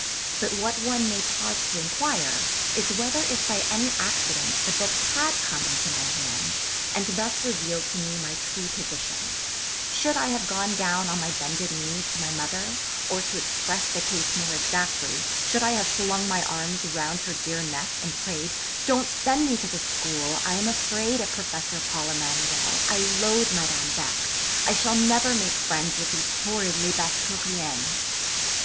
But what one may pause to inquire is whether if by any accident the book had come into my hands, and thus revealed to me my true position, should I have gone down on my bended knees to my mother, or to express the case more exactly, should I have flung my arms round her dear neck, and prayed, '_Don't send me to this school; I am afraid of Professor Paul Emanuel; I loathe Madame Beck; I shall never make friends with these horrid Lesbassecouriennes?